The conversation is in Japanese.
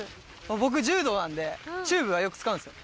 僕柔道なんでチューブはよく使うんですよ。